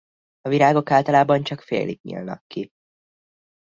A virágok általában csak félig nyílnak ki.